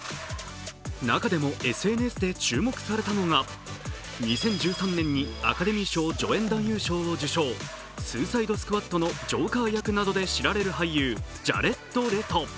中でもＳＮＳで注目されたのが２０１３年にアカデミー賞助演男優賞を受賞、「スーサイド・スクワッド」で知られるジャレッド・レト。